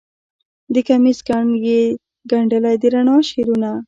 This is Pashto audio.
د کمیس ګنډ کې یې ګنډلې د رڼا شعرونه